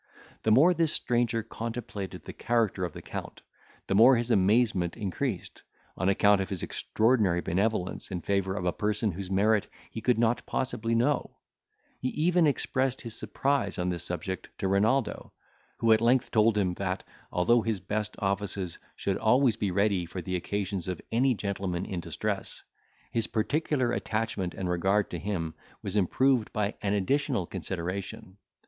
The more this stranger contemplated the character of the Count, the more his amazement increased, on account of his extraordinary benevolence in favour of a person whose merit he could not possibly know; he even expressed his surprise on this subject to Renaldo, who at length told him, that, although his best offices should always be ready for the occasions of any gentleman in distress, his particular attachment and regard to him was improved by an additional consideration.